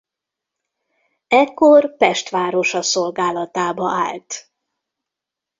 Ekkor Pest városa szolgálatába állt.